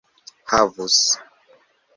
havus